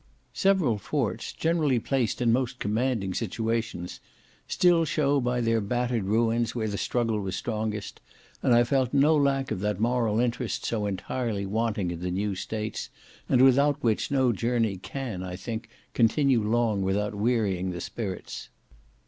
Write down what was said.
Several forts, generally placed in most commanding situations, still show by their battered ruins, where the struggle was strongest, and I felt no lack of that moral interest so entirely wanting in the new States, and without which no journey can, I think, continue long without wearying the spirits.